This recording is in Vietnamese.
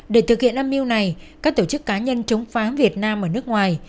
để thực hiện âm mưu này các tổ chức cá nhân chống phá việt nam ở nước ngoài